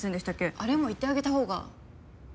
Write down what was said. あれも言ってあげたほうが。